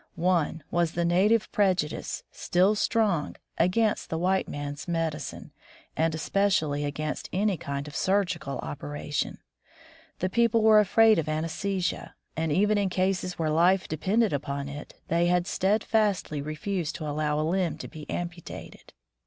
One was the native prejudice, still strong, against the white man's medicine, and especially against any kind of surgical operation. The people were afraid of anaesthesia, and even in cases where life depended upon it, they had steadfastly refused to allow a limb to be amputated.